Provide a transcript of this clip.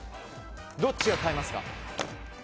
どっちが変えますか？